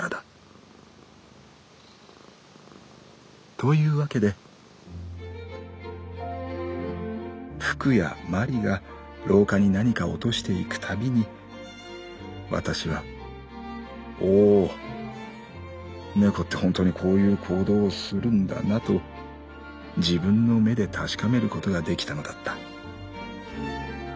「というわけでふくやまりが廊下に何か落としていくたびにわたしは『おお猫って本当にこういう行動をするんだな』と自分の目で確かめることができたのだった。